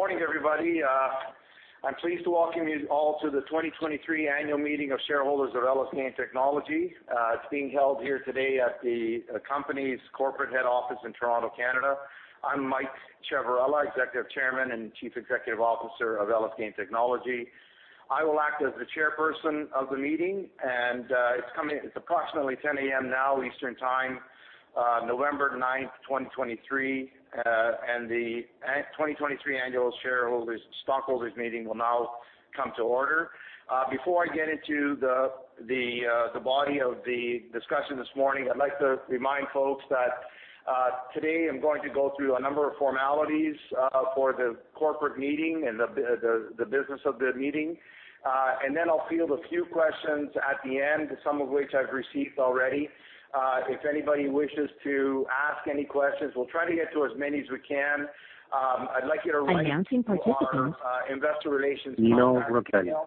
Good morning, everybody. I'm pleased to welcome you all to the 2023 annual meeting of shareholders of Elys Game Technology. It's being held here today at the company's corporate head office in Toronto, Canada. I'm Mike Ciavarella, Executive Chairman and Chief Executive Officer of Elys Game Technology. I will act as the chairperson of the meeting, and it's approximately 10 A.M. now, Eastern Time, November 9, 2023. And the 2023 annual shareholders stockholders meeting will now come to order. Before I get into the body of the discussion this morning, I'd like to remind folks that today I'm going to go through a number of formalities for the corporate meeting and the business of the meeting. Then I'll field a few questions at the end, some of which I've received already. If anybody wishes to ask any questions, we'll try to get to as many as we can. I'd like you to write- Announcing participants. our investor relations contact Nino Reppenning.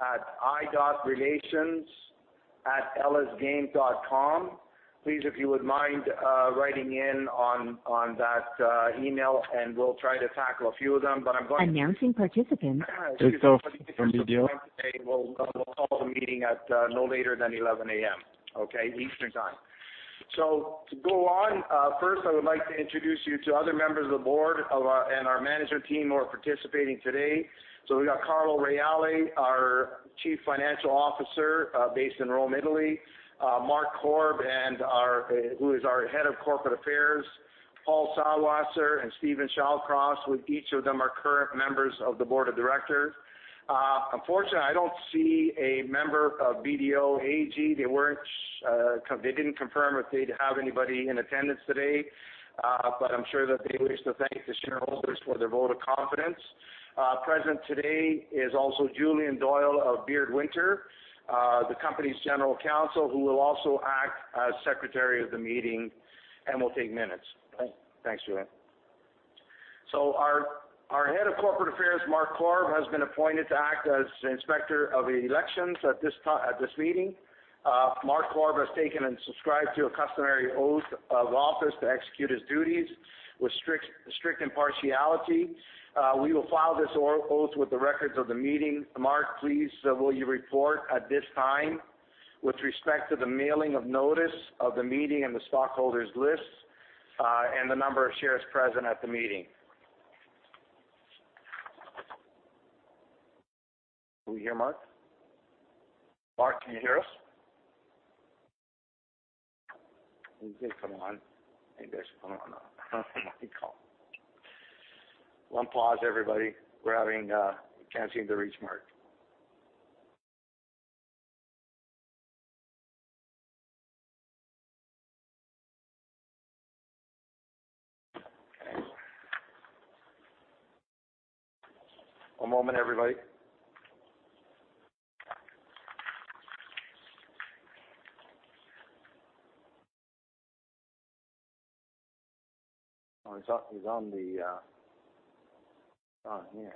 At investor.relations@elysgame.com. Please, if you would mind, writing in on, on that email, and we'll try to tackle a few of them. But I'm going- Announcing participants.... BDO from BDO. We'll call the meeting at no later than 11:00 A.M., okay? Eastern Time. So to go on, first, I would like to introduce you to other members of the board and our management team who are participating today. So we've got Carlo Reali, our Chief Financial Officer, based in Rome, Italy, Mark Korb, who is our Head of Corporate Affairs, Paul Sallwasser and Steven Shallcross, each of whom are current members of the board of directors. Unfortunately, I don't see a member of BDO AG. They weren't, they didn't confirm if they'd have anybody in attendance today, but I'm sure that they wish to thank the shareholders for their vote of confidence. Present today is also Julian Doyle of Beard Winter, the company's general counsel, who will also act as secretary of the meeting and will take minutes. Thanks, Julian. So our, our Head of Corporate Affairs, Mark Korb, has been appointed to act as inspector of the elections at this meeting. Mark Korb has taken and subscribed to a customary oath of office to execute his duties with strict, strict impartiality. We will file this oath with the records of the meeting. Mark, please, will you report at this time with respect to the mailing of notice of the meeting and the stockholders list, and the number of shares present at the meeting? Are we here, Mark? Mark, can you hear us? Come on. I guess, Come on. One pause, everybody. We're having, we can't seem to reach Mark. One moment, everybody. Oh, he's on, he's on the, on, yeah.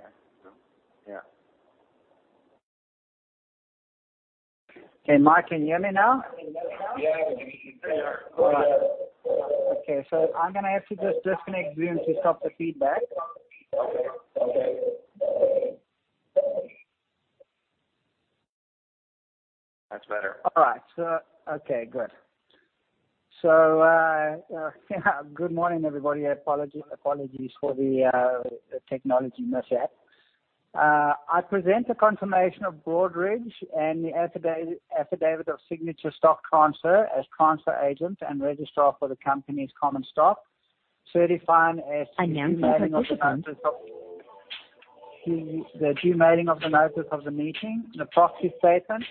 Yeah. Okay, Mike, can you hear me now? Yeah, I can hear you better. All right. Okay, so I'm gonna have to just disconnect Zoom to stop the feedback. Okay. That's better. All right. So, okay, good. So, good morning, everybody. I apologize, apologies for the technology mishap. I present the confirmation of Broadridge and the affidavit of Signature Stock Transfer as transfer agent and registrar for the company's common stock, certifying as- Announcing participants. The due mailing of the notice of the meeting, the proxy statement,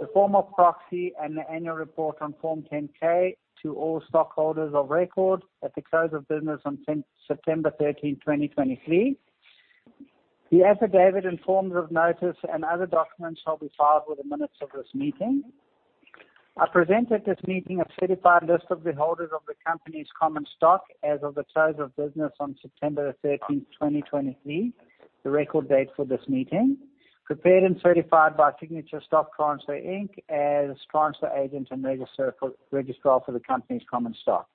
the form of proxy, and the annual report on Form 10-K to all stockholders of record at the close of business on September 13, 2023. The affidavit and forms of notice and other documents shall be filed with the minutes of this meeting. I present at this meeting a certified list of the holders of the company's common stock as of the close of business on September 13, 2023, the record date for this meeting, prepared and certified by Signature Stock Transfer, Inc. as transfer agent and registrar for the company's common stock.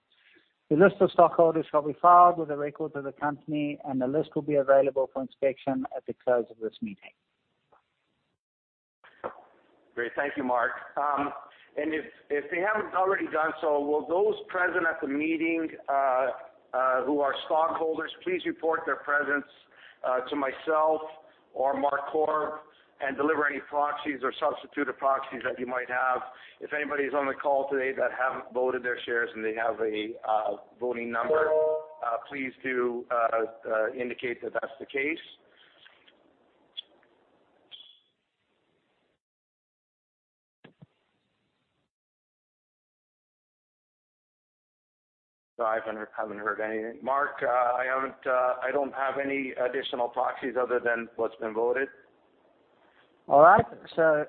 The list of stockholders shall be filed with the records of the company, and the list will be available for inspection at the close of this meeting. Great. Thank you, Mark. And if they haven't already done so, will those present at the meeting who are stockholders please report their presence to myself or Mark Korb, and deliver any proxies or substituted proxies that you might have. If anybody's on the call today that haven't voted their shares and they have a voting number, please do indicate that that's the case. So I haven't heard anything. Mark, I haven't, I don't have any additional proxies other than what's been voted. All right. So,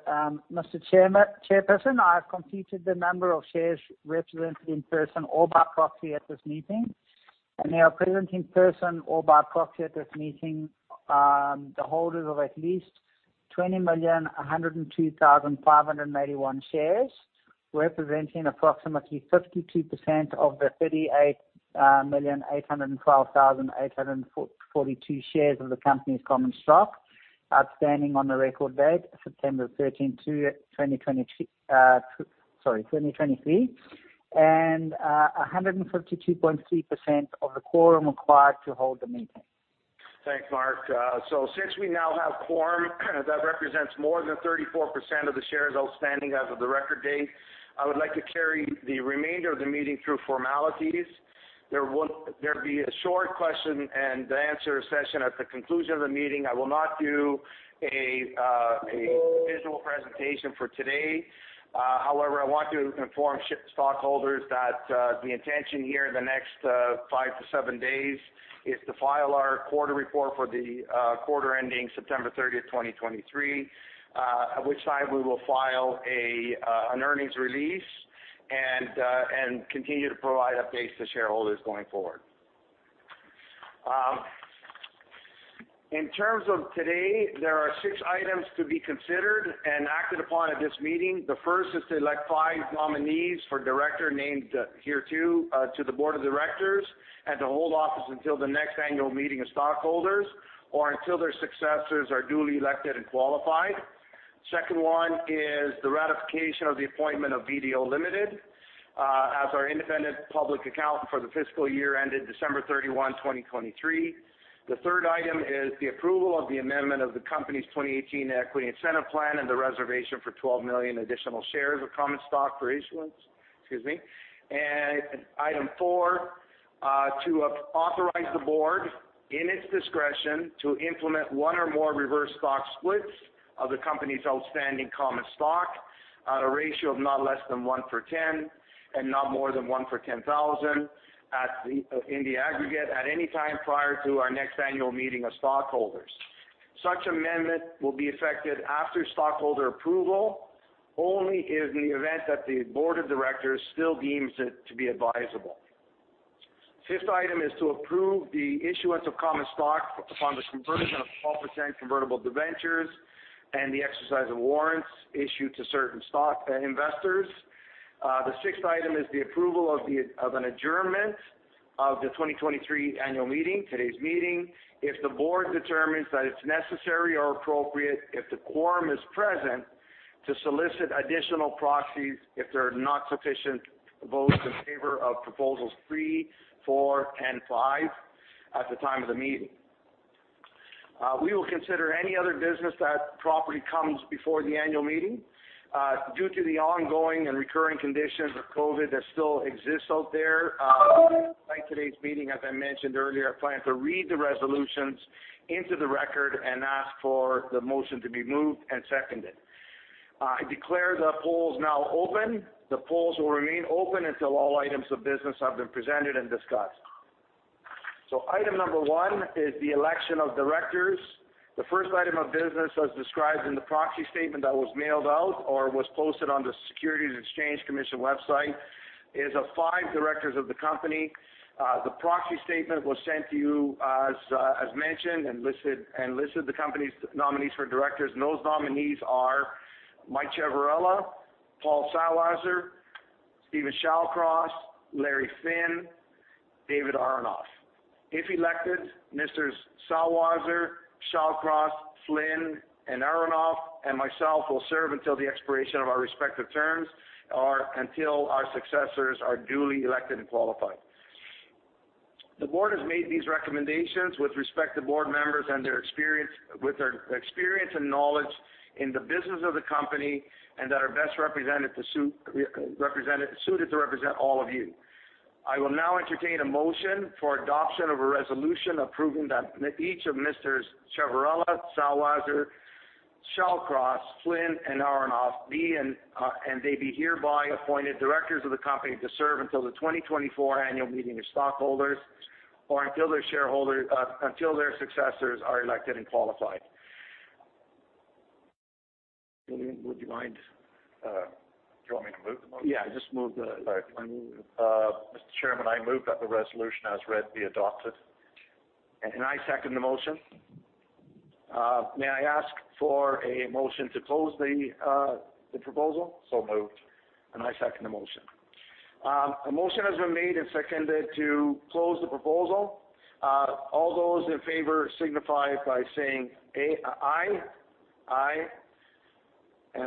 Mr. Chairman, Chairperson, I have completed the number of shares represented in person or by proxy at this meeting, and they are present in person or by proxy at this meeting, the holders of at least 20,102,581 shares, representing approximately 52% of the 38,812,842 shares of the company's common stock, outstanding on the record date, September 13, 2023, and 152.3% of the quorum required to hold the meeting. Thanks, Mark. So since we now have quorum, that represents more than 34% of the shares outstanding as of the record date, I would like to carry the remainder of the meeting through formalities. There'll be a short question and answer session at the conclusion of the meeting. I will not do a visual presentation for today. However, I want to inform stockholders that the intention here in the next 5-7 days is to file our quarter report for the quarter ending September 30, 2023, at which time we will file an earnings release and continue to provide updates to shareholders going forward. In terms of today, there are six items to be considered and acted upon at this meeting. The first is to elect five nominees for director named here to, to the board of directors, and to hold office until the next annual meeting of stockholders, or until their successors are duly elected and qualified. Second one is the ratification of the appointment of BDO AG as our independent public accountant for the fiscal year ended December 31, 2023. The third item is the approval of the amendment of the company's 2018 Equity Incentive Plan, and the reservation for 12 million additional shares of common stock for issuance. Excuse me. And item 4, to authorize the board, in its discretion, to implement one or more reverse stock splits of the company's outstanding common stock on a ratio of not less than 1-for-10, and not more than 1-for-10,000 in the aggregate, at any time prior to our next annual meeting of stockholders. Such amendment will be effected after stockholder approval, only in the event that the board of directors still deems it to be advisable. Fifth item is to approve the issuance of common stock upon the conversion of 12% convertible debentures and the exercise of warrants issued to certain stock investors. The sixth item is the approval of an adjournment of the 2023 annual meeting, today's meeting. If the board determines that it's necessary or appropriate, if the quorum is present, to solicit additional proxies if there are not sufficient votes in favor of proposals three, four, and five at the time of the meeting. We will consider any other business that properly comes before the annual meeting. Due to the ongoing and recurring conditions of COVID that still exists out there, like today's meeting, as I mentioned earlier, I plan to read the resolutions into the record and ask for the motion to be moved and seconded. I declare the polls now open. The polls will remain open until all items of business have been presented and discussed. So item number 1 is the election of directors. The first item of business, as described in the proxy statement that was mailed out or was posted on the Securities and Exchange Commission website, is of five directors of the company. The proxy statement was sent to you, as mentioned, and listed the company's nominees for directors, and those nominees are Mike Ciavarella, Paul Sallwasser, Steven Shallcross, Larry Flynn, David Aronoff. If elected, Misters Sallwasser, Shallcross, Flynn, and Aronoff, and myself will serve until the expiration of our respective terms or until our successors are duly elected and qualified. The board has made these recommendations with respect to board members and their experience and knowledge in the business of the company, and that are best suited to represent all of you. I will now entertain a motion for adoption of a resolution approving that each of Misters Ciavarella, Sallwasser, Shallcross, Flynn, and Aronoff be and they be hereby appointed directors of the company to serve until the 2024 annual meeting of stockholders, or until their successors are elected and qualified. Would you mind- Do you want me to move the motion? Yeah, just move the- Sorry. Mr. Chairman, I move that the resolution as read be adopted. I second the motion. May I ask for a motion to close the proposal? So moved. I second the motion. A motion has been made and seconded to close the proposal. All those in favor signify by saying aye.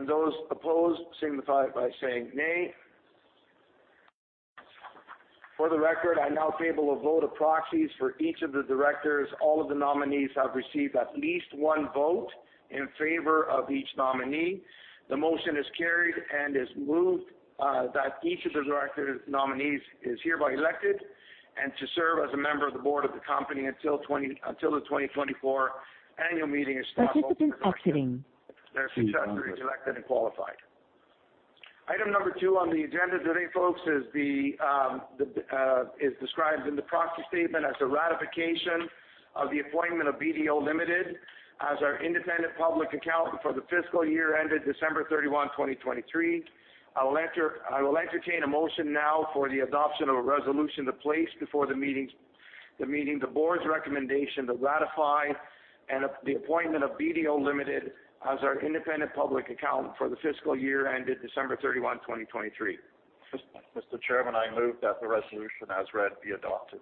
Those opposed signify by saying nay. For the record, I now table a vote of proxies for each of the directors. All of the nominees have received at least one vote in favor of each nominee. The motion is carried and is moved that each of the director nominees is hereby elected and to serve as a member of the board of the company until the 2024 annual meeting of stockholders- Participant listening. Their successors are elected and qualified. Item number 2 on the agenda today, folks, is described in the proxy statement as the ratification of the appointment of BDO Limited as our independent public accountant for the fiscal year ended December 31, 2023. I will entertain a motion now for the adoption of a resolution to place before the meeting the Board's recommendation to ratify the appointment of BDO Limited as our independent public accountant for the fiscal year ended December 31, 2023. Mr. Chairman, I move that the resolution as read be adopted.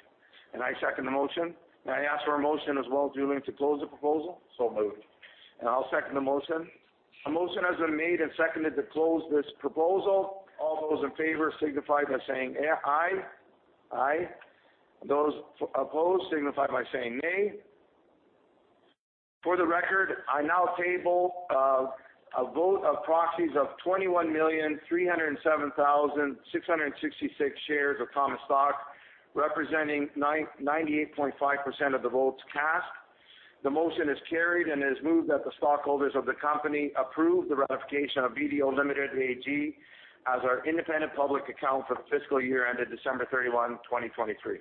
I second the motion. May I ask for a motion as well, Julian, to close the proposal? So moved. I'll second the motion. A motion has been made and seconded to close this proposal. All those in favor signify by saying, aye, aye. Those opposed signify by saying, nay. For the record, I now table a vote of proxies of 21,307,666 shares of common stock, representing 98.5% of the votes cast. The motion is carried and is moved that the stockholders of the company approve the ratification of BDO AG as our independent public accountant for the fiscal year ended December 31, 2023.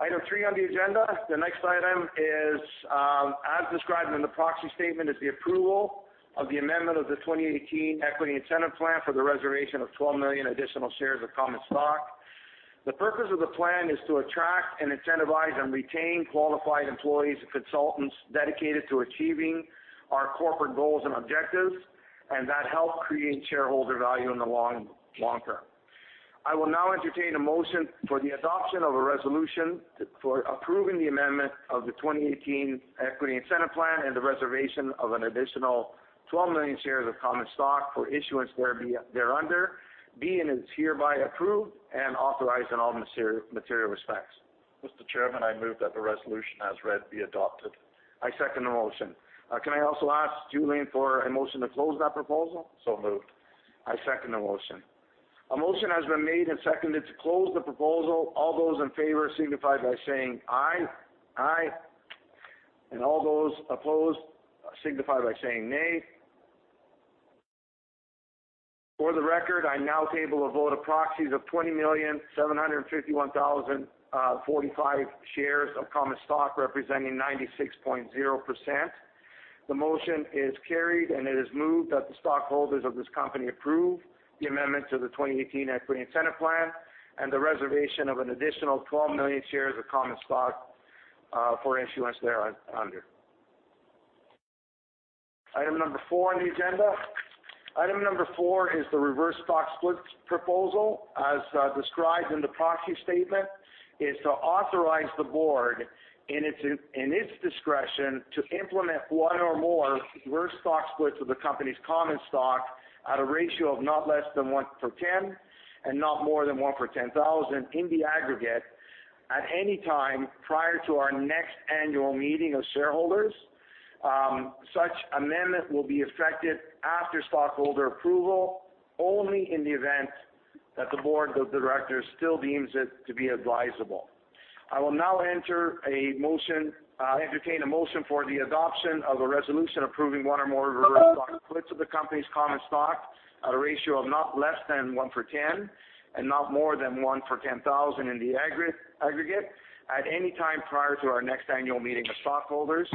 Item 3 on the agenda. The next item is, as described in the proxy statement, is the approval of the amendment of the 2018 Equity Incentive Plan for the reservation of 12 million additional shares of common stock. The purpose of the plan is to attract and incentivize and retain qualified employees and consultants dedicated to achieving our corporate goals and objectives, and that help create shareholder value in the long, long term. I will now entertain a motion for the adoption of a resolution for approving the amendment of the 2018 Equity Incentive Plan and the reservation of an additional 12 million shares of common stock for issuance thereby, thereunder, being and is hereby approved and authorized in all material, material respects. Mr. Chairman, I move that the resolution as read be adopted. I second the motion. Can I also ask Julian for a motion to close that proposal? So moved. I second the motion. A motion has been made and seconded to close the proposal. All those in favor signify by saying aye. Aye, and all those opposed signify by saying nay. For the record, I now table a vote of proxies of 20,751,045 shares of common stock, representing 96.0%. The motion is carried, and it is moved that the stockholders of this company approve the amendment to the 2018 Equity Incentive Plan and the reservation of an additional 12 million shares of common stock for issuance thereunder. Item number 4 on the agenda. Item number 4 is the reverse stock split proposal. As described in the proxy statement, is to authorize the board in its discretion, to implement one or more reverse stock splits of the company's common stock at a ratio of not less than 1-for-10 and not more than 1-for-10,000 in the aggregate, at any time prior to our next annual meeting of shareholders. Such amendment will be effective after stockholder approval, only in the event that the board of directors still deems it to be advisable. I will now entertain a motion for the adoption of a resolution approving one or more reverse stock splits of the company's common stock at a ratio of not less than 1-for-10 and not more than 1-for-10,000 in the aggregate, at any time prior to our next annual meeting of stockholders.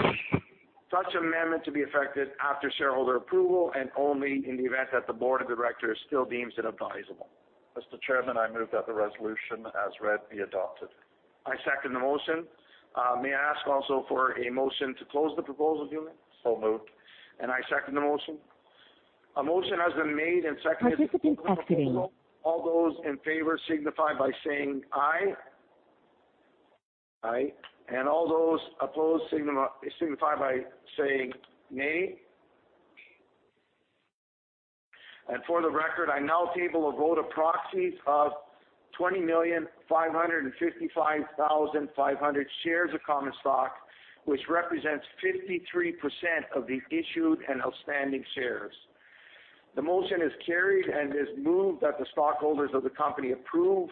Such amendment to be effective after shareholder approval and only in the event that the Board of Directors still deems it advisable. Mr. Chairman, I move that the resolution as read be adopted. I second the motion. May I ask also for a motion to close the proposal, Julian? So moved. I second the motion. A motion has been made and seconded. Participant exiting. All those in favor signify by saying aye. Aye. And all those opposed signify by saying nay. And for the record, I now table a vote of proxies of 20,555,500 shares of common stock, which represents 53% of the issued and outstanding shares. The motion is carried and is moved that the stockholders of the company approve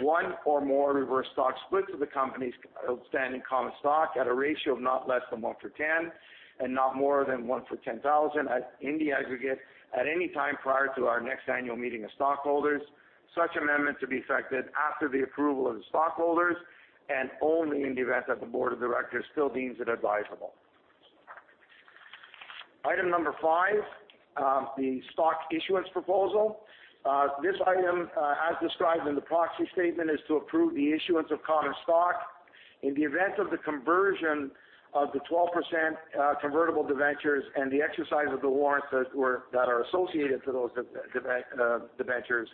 one or more reverse stock splits of the company's outstanding common stock at a ratio of not less than 1 to 10 and not more than 1 to 10,000 in the aggregate, at any time prior to our next annual meeting of stockholders. Such amendment to be effected after the approval of the stockholders and only in the event that the board of directors still deems it advisable. f 5, the stock issuance proposal. This item, as described in the proxy statement, is to approve the issuance of common stock in the event of the conversion of the 12% convertible debentures and the exercise of the warrants that are associated to those debentures,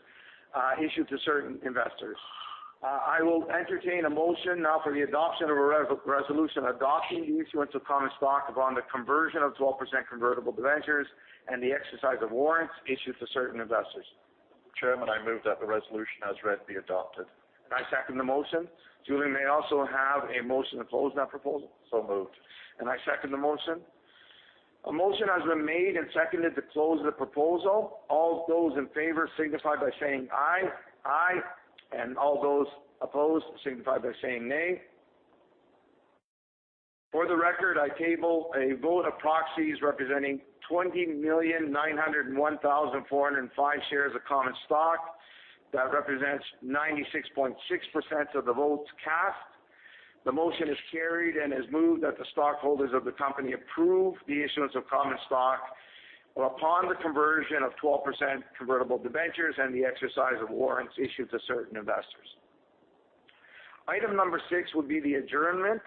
issued to certain investors. I will entertain a motion now for the adoption of a resolution adopting the issuance of common stock upon the conversion of 12% convertible debentures and the exercise of warrants issued to certain investors. Chairman, I move that the resolution as read be adopted. I second the motion. Julian, may I also have a motion to close that proposal? So moved. And I second the motion. A motion has been made and seconded to close the proposal. All those in favor signify by saying aye. Aye, and all those opposed signify by saying nay. For the record, I table a vote of proxies representing 20,901,405 shares of common stock. That represents 96.6% of the votes cast. The motion is carried and is moved that the stockholders of the company approve the issuance of common stock upon the conversion of 12% convertible debentures and the exercise of warrants issued to certain investors. Item number 6 would be the adjournment.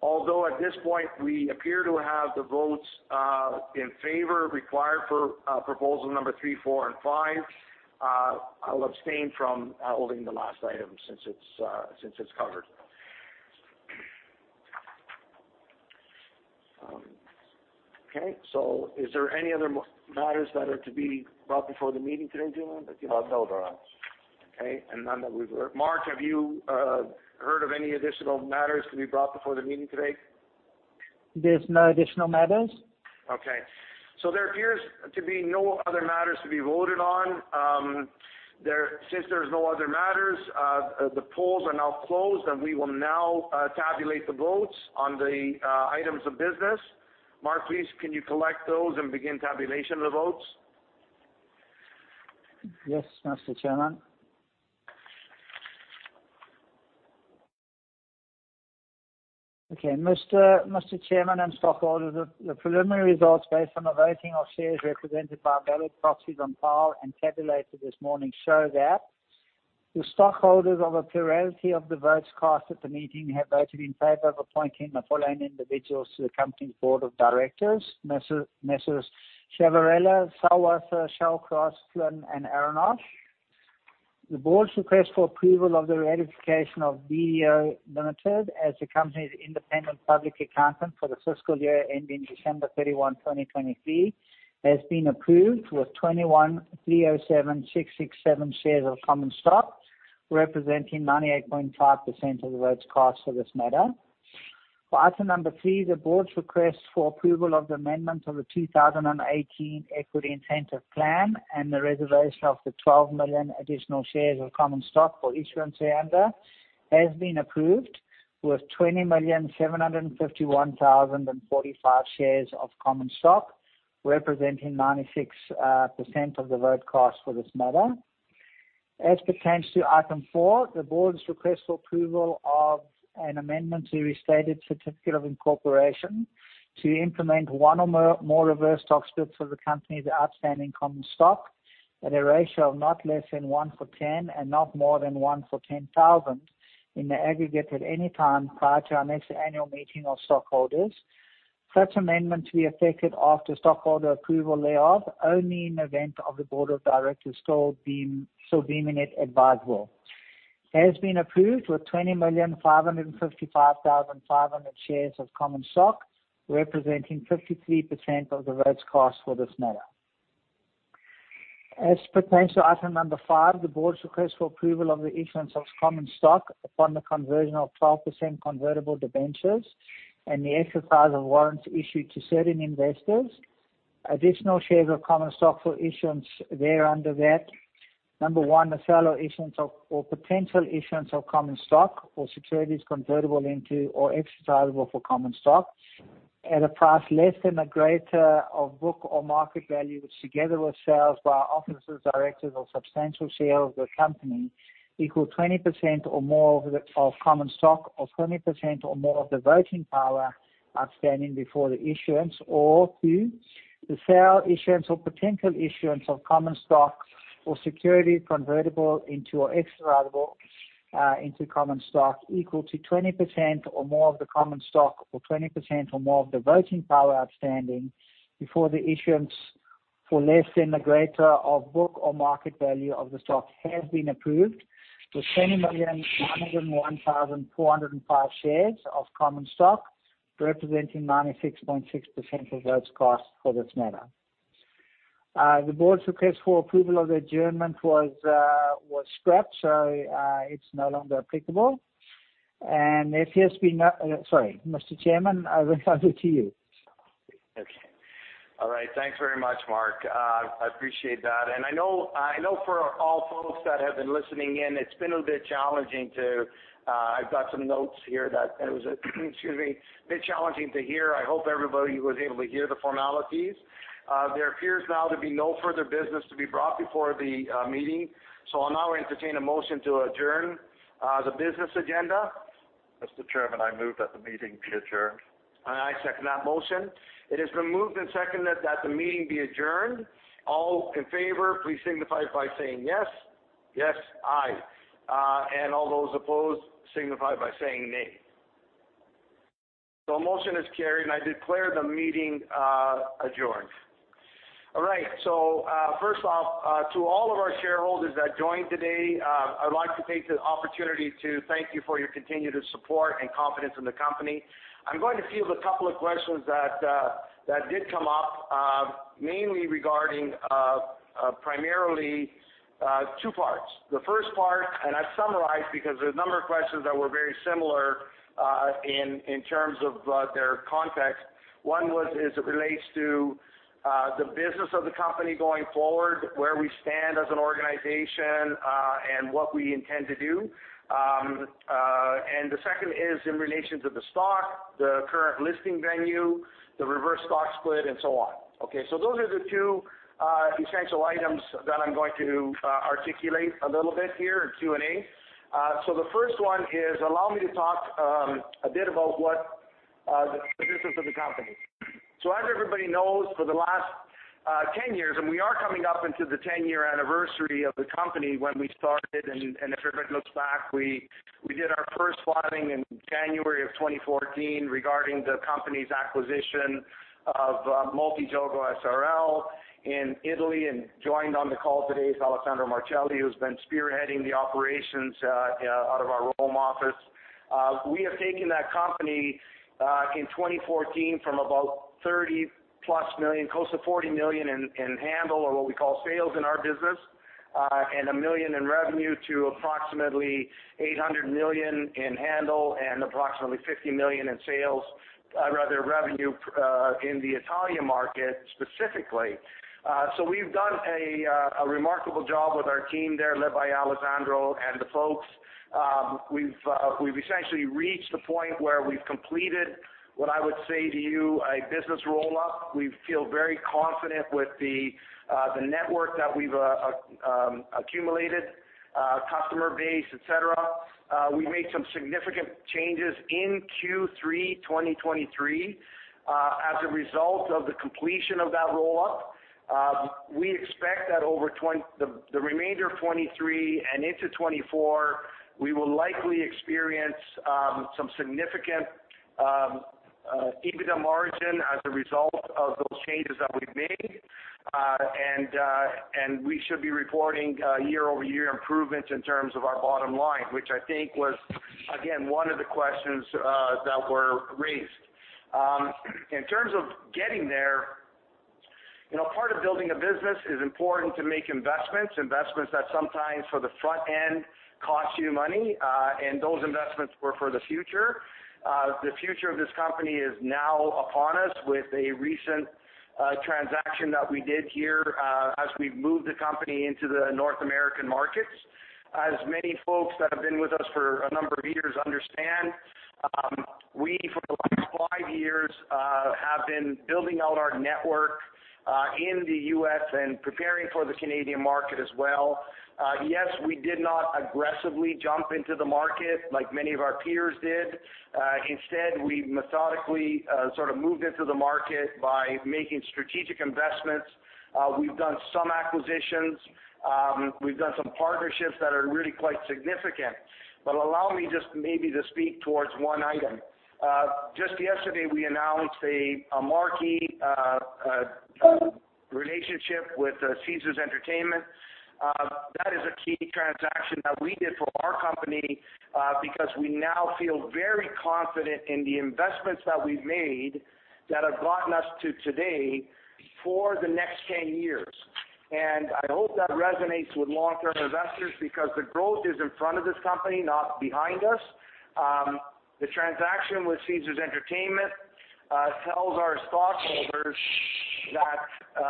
Although at this point we appear to have the votes in favor required for proposal number 3, 4, and 5, I'll abstain from holding the last item since it's covered. Okay, so is there any other matters that are to be brought before the meeting today, Dylan? No, there are not. Okay, and none that we've heard. Mark, have you heard of any additional matters to be brought before the meeting today? There's no additional matters. Okay, so there appears to be no other matters to be voted on. Since there's no other matters, the polls are now closed, and we will now tabulate the votes on the items of business. Mark, please, can you collect those and begin tabulation of the votes? Yes, Mr. Chairman. Okay, Mr. Chairman, and stockholders, the preliminary results based on the voting of shares represented by ballot proxies on file and tabulated this morning show that the stockholders of a plurality of the votes cast at the meeting have voted in favor of appointing the following individuals to the company's board of directors, Messrs. Ciavarella, Sallwasser, Shallcross, Flynn, and Aronoff. The board's request for approval of the ratification of BDO AG as the company's independent public accountant for the fiscal year ending December 31, 2023, has been approved with 21,307,667 shares of common stock, representing 98.5% of the votes cast for this matter. For item number 3, the board's request for approval of the amendment of the 2018 Equity Incentive Plan and the reservation of the 12 million additional shares of common stock for issuance under has been approved with 20,751,045 shares of common stock, representing 96% of the vote cast for this matter. As it pertains to item four, the board's request for approval of an amendment to restated certificate of incorporation to implement one or more reverse stock splits for the company's outstanding common stock at a ratio of not less than 1-for-10 and not more than 1-for-10,000 in the aggregate at any time prior to our next annual meeting of stockholders. Such amendment to be effected after stockholder approval thereof, only in event of the board of directors so deem it advisable, has been approved with 20,555,500 shares of common stock, representing 53% of the votes cast for this matter. As it pertains to item number 5, the board's request for approval of the issuance of common stock upon the conversion of 12% convertible debentures and the exercise of warrants issued to certain investors. Additional shares of common stock for issuance thereunder that, number one, the sale or issuance of, or potential issuance of common stock or securities convertible into, or exercisable for common stock at a price less than the greater of book or market value, which together with sales by our officers, directors, or substantial shareholders of the company, equal to 20% or more of common stock, or 20% or more of the voting power outstanding before the issuance, or two, the sale, issuance or potential issuance of common stock or security convertible into or exercisable into common stock equal to 20% or more of the common stock or 20% or more of the voting power outstanding before the issuance for less than the greater of book or market value of the stock, has been approved with 20,901,405 shares of common stock, representing 96.6% of votes cast for this matter. The board's request for approval of the adjournment was scrapped, so it's no longer applicable. There appears to be no. Sorry, Mr. Chairman, I will hand it to you. Okay. All right. Thanks very much, Mark. I appreciate that. And I know, I know for all folks that have been listening in, it's been a bit challenging to, I've got some notes here that it was, excuse me, a bit challenging to hear. I hope everybody was able to hear the formalities. There appears now to be no further business to be brought before the meeting. So I'll now entertain a motion to adjourn the business agenda. Mr. Chairman, I move that the meeting be adjourned. I second that motion. It has been moved and seconded that the meeting be adjourned. All in favor, please signify by saying yes. Yes, aye. And all those opposed, signify by saying nay. So the motion is carried, and I declare the meeting adjourned. All right, so, first off, to all of our shareholders that joined today, I'd like to take this opportunity to thank you for your continued support and confidence in the company. I'm going to field a couple of questions that that did come up, mainly regarding, primarily, two parts. The first part, and I've summarized, because there are a number of questions that were very similar, in, in terms of, their context. One was, as it relates to, the business of the company going forward, where we stand as an organization, and what we intend to do. And the second is in relation to the stock, the current listing venue, the reverse stock split, and so on. Okay, so those are the two, essential items that I'm going to, articulate a little bit here in Q&A. So the first one is, allow me to talk, a bit about what, the business of the company.... So as everybody knows, for the last 10 years, and we are coming up into the 10-year anniversary of the company when we started, and if everybody looks back, we did our first filing in January of 2014 regarding the company's acquisition of Multigioco S.r.l. in Italy, and joined on the call today is Alessandro Marcelli, who's been spearheading the operations out of our Rome office. We have taken that company in 2014 from about 30+ million, close to 40 million in handle or what we call sales in our business, and 1 million in revenue to approximately 800 million in handle and approximately 50 million in revenue in the Italian market specifically. So we've done a remarkable job with our team there, led by Alessandro and the folks. We've essentially reached the point where we've completed what I would say to you, a business roll-up. We feel very confident with the network that we've accumulated, customer base, et cetera. We made some significant changes in Q3 2023. As a result of the completion of that roll-up, we expect that over the remainder of 2023 and into 2024, we will likely experience some significant EBITDA margin as a result of those changes that we've made. And we should be reporting year-over-year improvements in terms of our bottom line, which I think was, again, one of the questions that were raised. In terms of getting there, you know, part of building a business is important to make investments, investments that sometimes for the front end, cost you money, and those investments were for the future. The future of this company is now upon us with a recent transaction that we did here, as we moved the company into the North American markets. As many folks that have been with us for a number of years understand, we, for the last five years, have been building out our network in the U.S. and preparing for the Canadian market as well. Yes, we did not aggressively jump into the market like many of our peers did. Instead, we methodically sort of moved into the market by making strategic investments. We've done some acquisitions, we've done some partnerships that are really quite significant. But allow me just maybe to speak towards one item. Just yesterday, we announced a marquee relationship with Caesars Entertainment. That is a key transaction that we did for our company, because we now feel very confident in the investments that we've made that have gotten us to today for the next 10 years. And I hope that resonates with long-term investors because the growth is in front of this company, not behind us. The transaction with Caesars Entertainment tells our stockholders that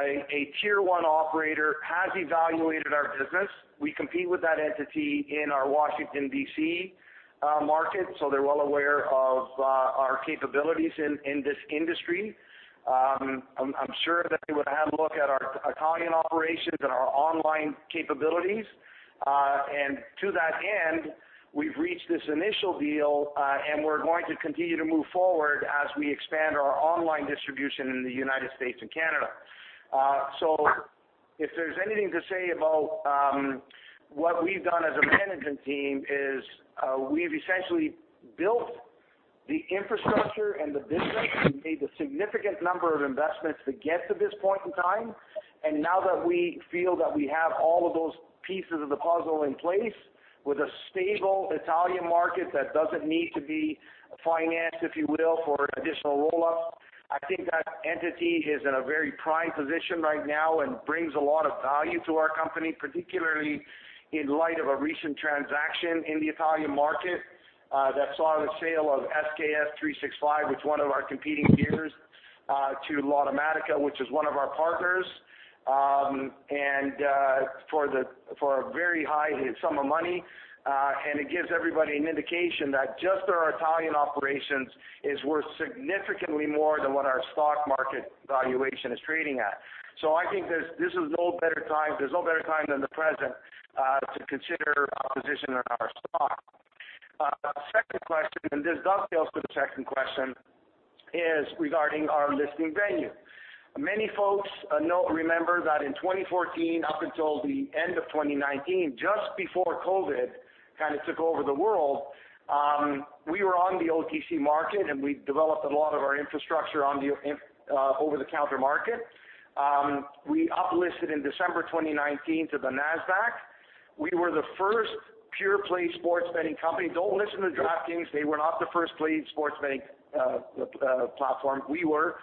a Tier One operator has evaluated our business. We compete with that entity in our Washington, D.C. market, so they're well aware of our capabilities in this industry. I'm sure that they would have a look at our Italian operations and our online capabilities. To that end, we've reached this initial deal, and we're going to continue to move forward as we expand our online distribution in the United States and Canada. If there's anything to say about what we've done as a management team is, we've essentially built the infrastructure and the business and made a significant number of investments to get to this point in time. And now that we feel that we have all of those pieces of the puzzle in place, with a stable Italian market that doesn't need to be financed, if you will, for additional roll-up, I think that entity is in a very prime position right now and brings a lot of value to our company, particularly in light of a recent transaction in the Italian market, that saw the sale of SKS365, which is one of our competing peers, to Lottomatica, which is one of our partners, and, for a very high sum of money. And it gives everybody an indication that just our Italian operations is worth significantly more than what our stock market valuation is trading at. So I think this is no better time, there's no better time than the present, to consider a position in our stock. Second question, and this does tail to the second question, is regarding our listing venue. Many folks know, remember that in 2014, up until the end of 2019, just before COVID kind of took over the world, we were on the OTC Market, and we developed a lot of our infrastructure on the over-the-counter market. We uplisted in December 2019 to the Nasdaq. We were the first pure-play sports betting company. Don't listen to DraftKings; they were not the first play sports betting platform, we were.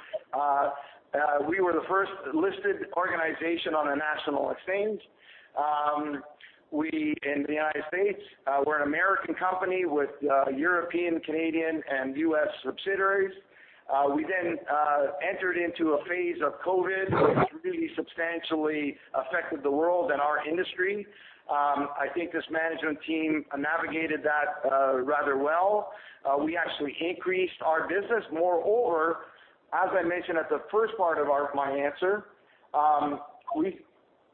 We were the first listed organization on a national exchange. We, in the United States, we're an American company with European, Canadian, and U.S. subsidiaries. We then entered into a phase of COVID, which really substantially affected the world and our industry. I think this management team navigated that rather well. We actually increased our business. Moreover, as I mentioned at the first part of our, my answer,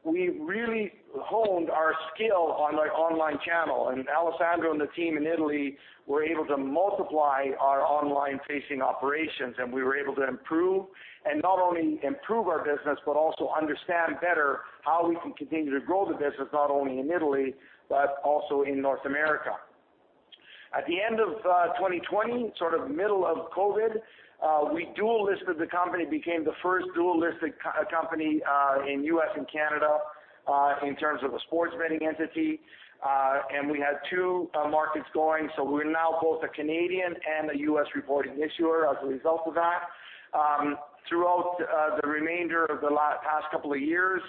we really honed our skill on the online channel, and Alessandro and the team in Italy were able to multiply our online-facing operations, and we were able to improve, and not only improve our business, but also understand better how we can continue to grow the business, not only in Italy, but also in North America. At the end of 2020, sort of middle of COVID, we dual listed the company, became the first dual listed company in U.S. and Canada in terms of a sports betting entity. And we had two markets going, so we're now both a Canadian and a U.S. reporting issuer as a result of that. Throughout the remainder of the past couple of years,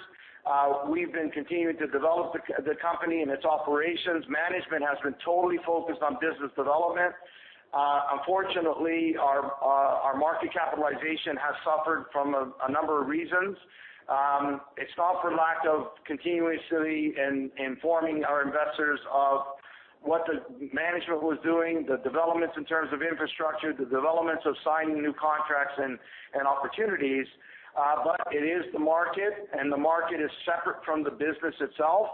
we've been continuing to develop the company and its operations. Management has been totally focused on business development. Unfortunately, our market capitalization has suffered from a number of reasons. It's not for lack of continuously informing our investors of what the management was doing, the developments in terms of infrastructure, the developments of signing new contracts and opportunities, but it is the market, and the market is separate from the business itself.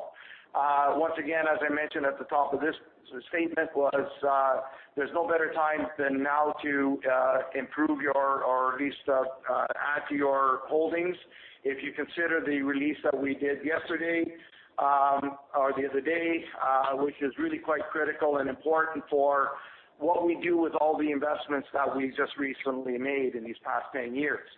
Once again, as I mentioned at the top of this statement, there's no better time than now to improve your or at least add to your holdings. If you consider the release that we did yesterday, or the other day, which is really quite critical and important for what we do with all the investments that we've just recently made in these past 10 years.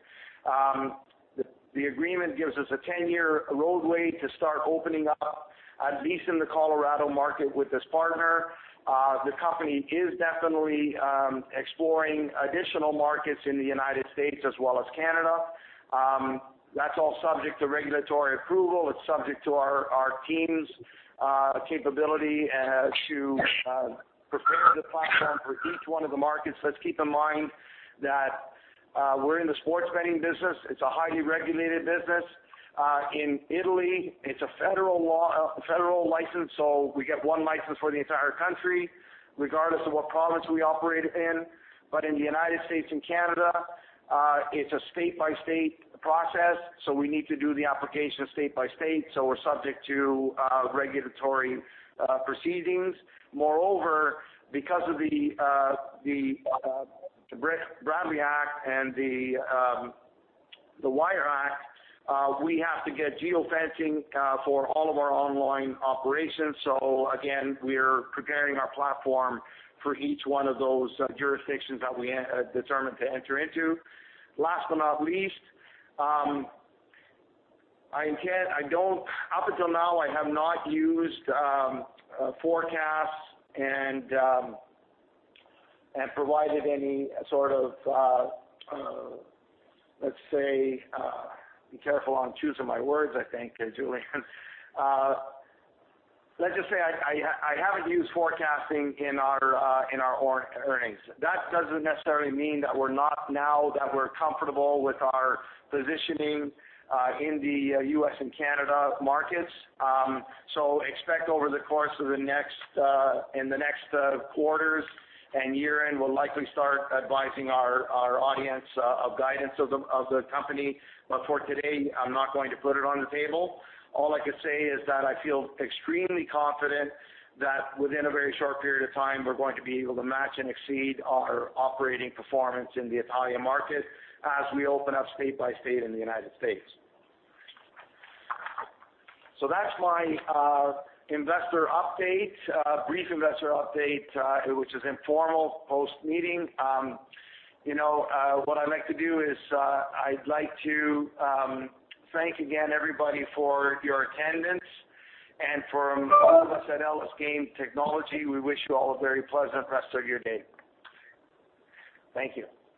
The agreement gives us a 10-year roadway to start opening up, at least in the Colorado market with this partner. The company is definitely exploring additional markets in the United States as well as Canada. That's all subject to regulatory approval. It's subject to our team's capability to prepare the platform for each one of the markets. Let's keep in mind that we're in the sports betting business. It's a highly regulated business. In Italy, it's a federal law, federal license, so we get one license for the entire country, regardless of what province we operate in. But in the United States and Canada, it's a state-by-state process, so we need to do the application state by state, so we're subject to regulatory proceedings. Moreover, because of the Bradley Act and the Wire Act, we have to get geofencing for all of our online operations. So again, we are preparing our platform for each one of those jurisdictions that we determined to enter into. Last but not least, up until now, I have not used forecasts and provided any sort of, let's say, be careful on choosing my words, I think, Julian. Let's just say I haven't used forecasting in our earnings. That doesn't necessarily mean that we're not now that we're comfortable with our positioning in the U.S. and Canada markets. So expect over the course of the next, in the next quarters and year-end, we'll likely start advising our audience of guidance of the company. But for today, I'm not going to put it on the table. All I can say is that I feel extremely confident that within a very short period of time, we're going to be able to match and exceed our operating performance in the Italian market as we open up state by state in the United States. So that's my investor update, brief investor update, which is informal post-meeting. You know, what I'd like to do is, I'd like to thank again everybody for your attendance. And from all of us at Elys Game Technology, we wish you all a very pleasant rest of your day. Thank you.